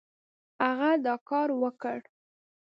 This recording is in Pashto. هغه دا کار وکړ.